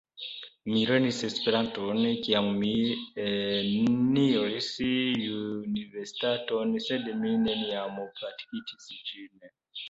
Mi lernis Esperanton kiam mi eniris universitaton, sed mi neniam praktikis ĝin.